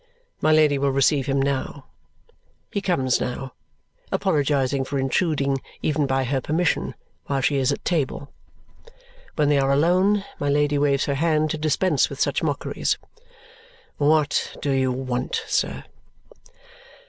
My Lady will receive him now. He comes now, apologizing for intruding, even by her permission, while she is at table. When they are alone, my Lady waves her hand to dispense with such mockeries. "What do you want, sir?"